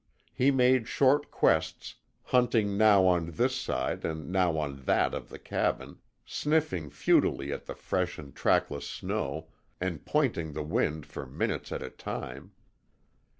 He made short quests, hunting now on this side and now on that of the cabin, sniffing futilely at the fresh and trackless snow and pointing the wind for minutes at a time.